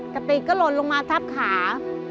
กระติกก็หล่นลงมาทับขา